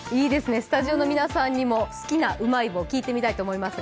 スタジオの皆さんにも好きな味聞いてみたいと思いますが。